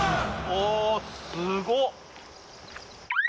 おおすごっ！